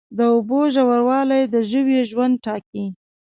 د اوبو ژوروالی د ژویو ژوند ټاکي.